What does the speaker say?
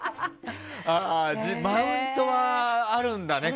マウントはあるんだね。